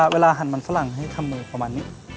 หั่นมันฝรั่งให้ทำมือประมาณนี้